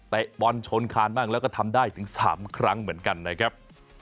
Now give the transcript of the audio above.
บอลชนคานบ้างแล้วก็ทำได้ถึง๓ครั้งเหมือนกันนะครับ